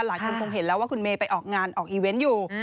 หลายคนคงเห็นแล้วว่าคุณเมย์ไปออกงานออกอีเวนต์อยู่